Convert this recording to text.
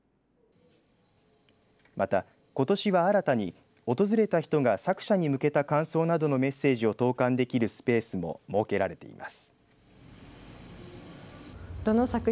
また、ことしは新たに訪れた人が作者に向けた感想などのメッセージを投かんできるスペースも設けられています。